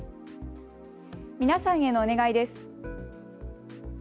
皆さんへのお願いです。